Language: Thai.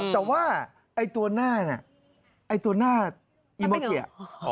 แต่ว่าไอ้ตัวหน้าเนี่ยไอ้ตัวหน้าอีโมเกีย